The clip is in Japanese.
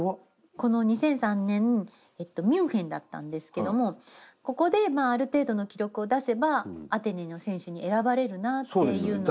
この２００３年ミュンヘンだったんですけどもここでまあある程度の記録を出せばアテネの選手に選ばれるなっていう。